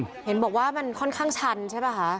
คือเหมือนคุณแม่ทำรองว่าได้เจอถ้าตัวเองเดินไปด้วยอย่างน้อย